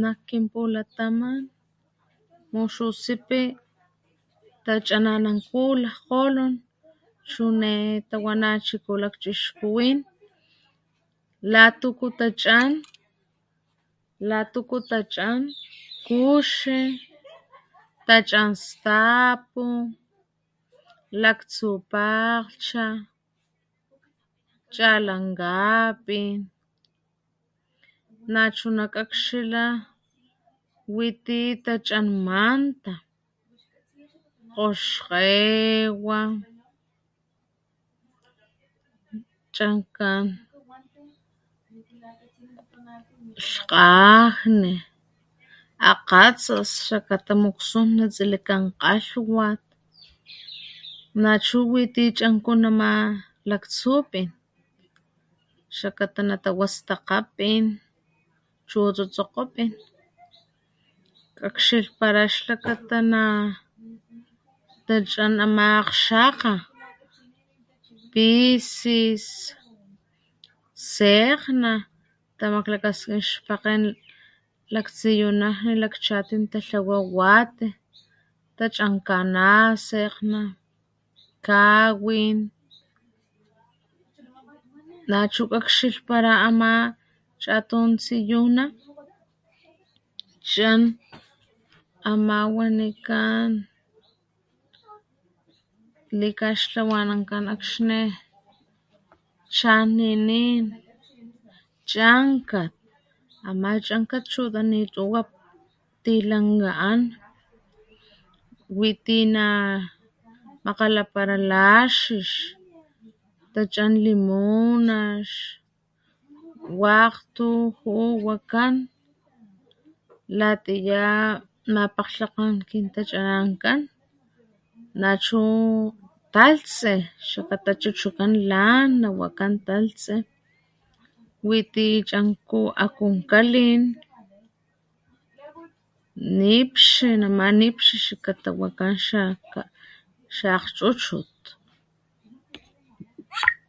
Nak kinpulataman muxusipí tachanananku lajkgolon, chune tawanachiku lakchixkuwin ¡la tuku tachan! la tuku tachan kuxi tachan stapu, laktsu pakglhcha, cha'lankapin nachuna kakxila witi tachan manta, kgoxkgewa, chankan lkgajní, akgatsas xlakata muksun natsilikán kgalhwat nachu wi ti chanku nama laktsupín xlakata natawa stakgapñin chu tsutsokgopín kakxilhpala xlaxata na tachan ama akgxakga, pisis, sekgna tamakklakaskín xpakgen laktsiyunajni, lakchatin tatlawa wati tachan kanasekgna, kawin nachu kakxilhpala ama chatum tsiyuna chan ama wanikán likaxtlawanankan akxni chan nínín chankat ama chankat chuta ni tuwa tilanka an witi namakgalapala laxíx tachan limunax wakg tu ju'u wakan latiya mapakglhakan kin tachanankan nachu talhtsí xlakata chuchukan lan nawakan talhtsí witi chanku akunkalin, nipxi nama nipxi xlakata wakan xa akgchuchut.